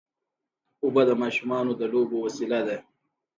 اوبه د ماشومانو د لوبو وسیله ده.